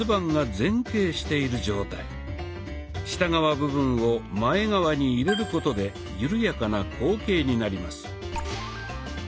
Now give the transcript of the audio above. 下側部分を前側に入れることで緩やかな後傾になります。